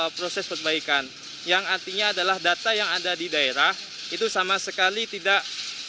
proses perbaikan yang artinya adalah data yang ada di daerah itu sama sekali tidak